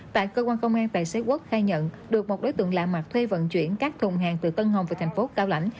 tại cơ quan công an tài xế quốc khai nhận được một đối tượng lạ mặt thuê vận chuyển các thùng hàng từ tân hồng về thành phố cao lãnh